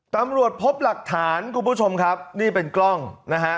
ตำรวจพบหลักฐานคุณผู้ชมครับนี่เป็นกล้องนะฮะ